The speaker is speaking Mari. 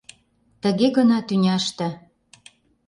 Тыге гына тӱняште